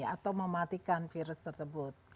atau mematikan virus tersebut